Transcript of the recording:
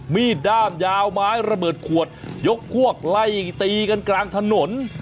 ด้ามยาวไม้ระเบิดขวดยกพวกไล่ตีกันกลางถนน